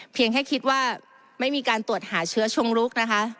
เพียงแค่คิดว่าไม่มีการตรวจหาเชื้อชงรุกนะคะ